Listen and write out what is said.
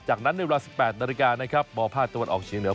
จากนั้นในเวลา๑๘นาฬิกานะครับมภาคตะวันออกเชียงเหนือ